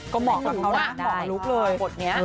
ก็เหมาะกับเขานะเหมาะกับลูกเลย